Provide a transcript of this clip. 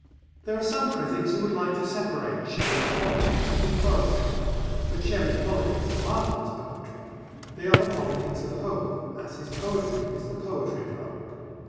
There are some critics who would like to separate Shelley's politics from his poetry. But Shelley's politics are part of his poetry. They are the politics of hope as his poetry is the poetry of hope.